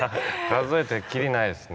数えたら切りないですね。